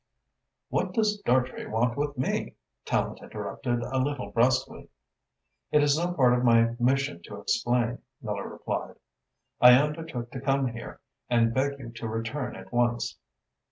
"What does Dartrey want with me?" Tallente interrupted, a little brusquely. "It is no part of my mission to explain," Miller replied. "I undertook to come here and beg you to return at once."